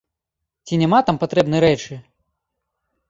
Ці няма там патрэбнай рэчы?